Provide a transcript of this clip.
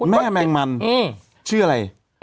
แมงมันชื่ออะไร